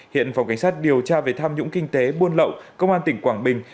hiện phòng cảnh sát điều tra về tham nhũng kinh tế buôn lậu công an tỉnh quảng bình